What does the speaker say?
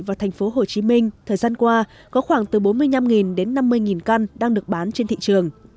và thành phố hồ chí minh thời gian qua có khoảng từ bốn mươi năm đến năm mươi căn đang được bán trên thị trường